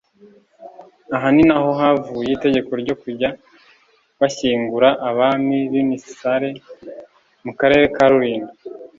Aha ni na ho havuye itegeko ryo kujya bashyingura “Abami b’Imisare” mu Karere ka Rulindo